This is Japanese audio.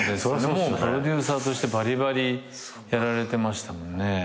もうプロデューサーとしてばりばりやられてましたもんね。